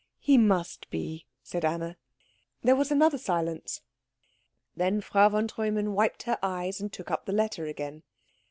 "He must be," said Anna. There was another silence. Then Frau von Treumann wiped her eyes and took up the letter again.